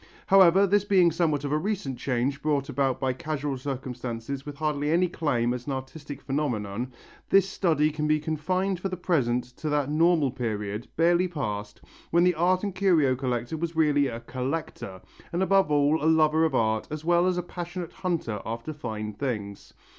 However, this being somewhat of a recent change brought about by casual circumstances with hardly any claim as an artistic phenomenon, this study can be confined for the present to that normal period, barely past, when the art and curio collector was really a "collector" and above all a lover of art as well as a passionate hunter after fine things.